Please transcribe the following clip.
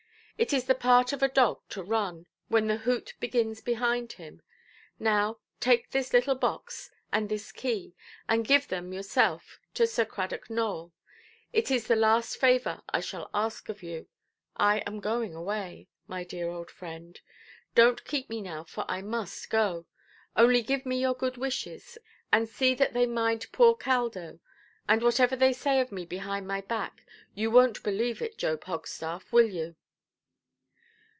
It is the part of a dog to run, when the hoot begins behind him. Now, take this little box, and this key, and give them yourself to Sir Cradock Nowell. It is the last favour I shall ask of you. I am going away, my dear old friend; donʼt keep me now, for I must go. Only give me your good wishes; and see that they mind poor Caldo: and, whatever they say of me behind my back, you wonʼt believe it, Job Hogstaff, will you"?